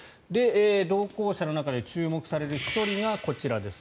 同行者の中で注目される１人がこちらです。